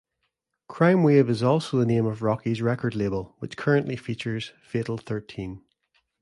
CrimeWave is also the name of Rocky's record label, which currently features Fatal Thirteen.